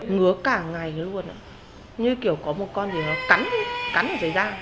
ngứa cả ngày luôn như kiểu có một con thì nó cắn cắn ở dưới da